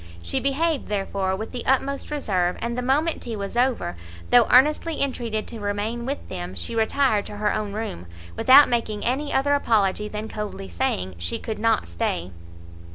She behaved, therefore, with the utmost reserve, and the moment tea was over, though earnestly entreated to remain with them, she retired to her own room, without making any other apology than coldly saying she could not stay.